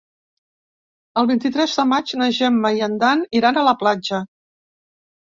El vint-i-tres de maig na Gemma i en Dan iran a la platja.